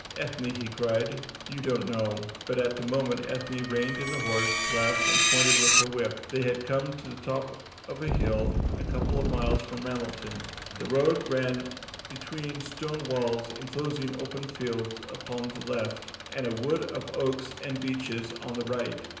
"Ethne," he cried, "you don't know " But at that moment Ethne reined in her horse, laughed, and pointed with her whip. They had come to the top of a hill a couple of miles from Ramelton. The road ran between stone walls enclosing open fields upon the left, and a wood of oaks and beeches on the right.